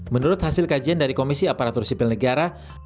menurut hasil kajian dari komisi aparatur sipil negara